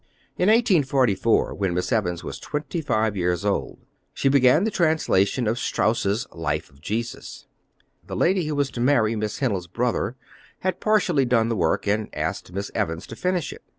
In 1844, when Miss Evans was twenty five years old, she began the translation of Strauss' Life of Jesus. The lady who was to marry Miss Hennell's brother had partially done the work, and asked Miss Evans to finish it.